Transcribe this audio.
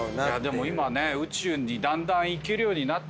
でも今ね宇宙にだんだん行けるようになってきてるので。